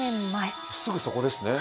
すぐそこですね。